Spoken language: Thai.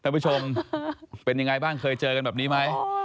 นักผู้ชมเป็นอย่างไรบ้างเขาเคยเจอกันแบบนี้ไหม